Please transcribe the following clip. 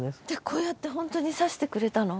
こうやって本当に挿してくれたの？